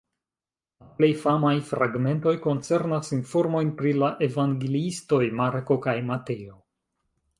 La plej famaj fragmentoj koncernas informojn pri la evangeliistoj Marko kaj Mateo.